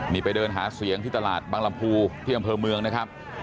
นี่ไปเดินหาเสียงที่ตลาดบางลำพูที่อำเภอเมืองนะครับ